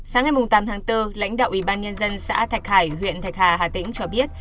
sáng ngày tám tháng bốn lãnh đạo ủy ban nhân dân xã thạch hải huyện thạch hà hà tĩnh cho biết